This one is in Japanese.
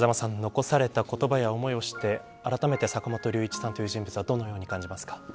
残された言葉や思いを知ってあらためて坂本龍一さんという人物はどのように感じますか。